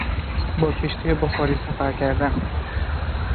با کشتی بخاری سفر کردن